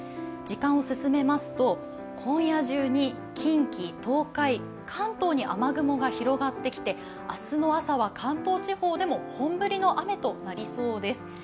時間を進めますと、今夜中に近畿、東海、関東に雨雲が広がってきて明日の朝は関東地方でも本降りの雨となりそうです。